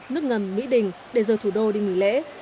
nước ngầm mỹ đình để rời thủ đô đi nghỉ lễ